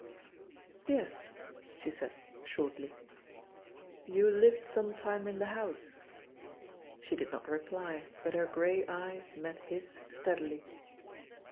"Yes," she said shortly. "You lived some time in the house?" She did not reply, but her grey eyes met his steadily.